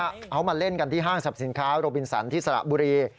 เขามาเล่นกันที่ห้างสรรพสินค้าโรบินสันที่สระบุรี